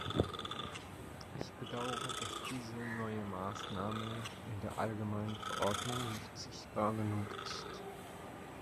Ich bedauere, dass diese neue Maßnahme in der allgemeinen Verordnung nicht sichtbar genug ist.